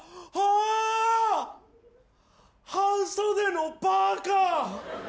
半袖のパーカ！